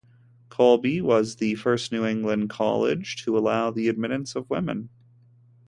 Colby was the first New England college to allow the admittance of women.